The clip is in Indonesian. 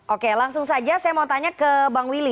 oke langsung saja saya mau tanya ke bang willy